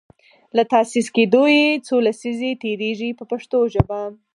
له تاسیس کیدو یې څو لسیزې تیریږي په پښتو ژبه.